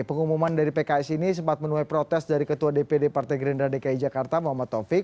pengumuman dari pks ini sempat menuai protes dari ketua dpd partai gerindra dki jakarta muhammad taufik